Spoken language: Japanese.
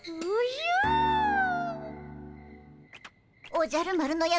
おじゃる丸のやつ